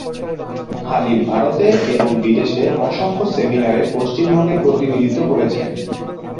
হালিম ভারতে এবং বিদেশে অসংখ্য সেমিনারে পশ্চিমবঙ্গের প্রতিনিধিত্ব করেছেন।